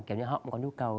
kiểu như họ cũng có nhu cầu